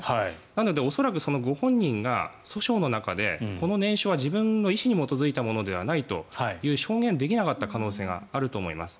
なので恐らく、ご本人が訴訟の中でこの念書は自分の意思に基づいたものではないと証言できなかった可能性があると思います。